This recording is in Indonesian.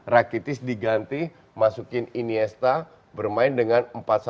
rakitic diganti masukin iniesta bermain dengan empat satu empat satu